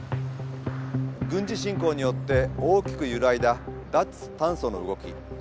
軍事侵攻によって大きく揺らいだ脱炭素の動き。